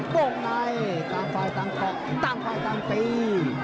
โค้งในตั้งฟ้ายตั้งบอกตั้งฟ้ายตั้งตี